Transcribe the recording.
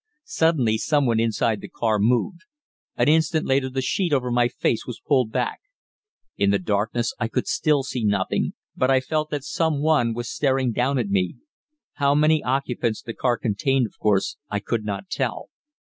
Suddenly someone inside the car moved. An instant later the sheet over my face was pulled back. In the darkness I could still see nothing, but I felt that someone was staring down at me. How many occupants the car contained, of course I could not tell.